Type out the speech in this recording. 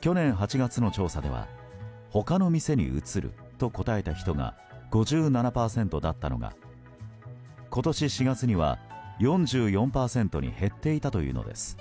去年８月の調査では他の店に移ると答えた人が５７％だったのが今年４月には４４％に減っていたというのです。